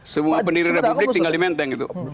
semua pendiri republik tinggal di menteng itu